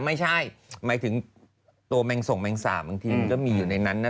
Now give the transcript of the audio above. ไม่ใช่หมายถึงตัวแมงส่งแมงสาบบางทีมันก็มีอยู่ในนั้นนะ